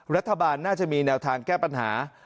รัฐบาลน่าจะมีแนวทางแก้ปัญหา